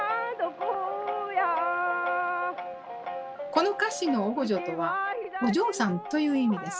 この歌詞の「おごじょ」とは「お嬢さん」という意味です。